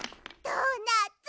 ドーナツ！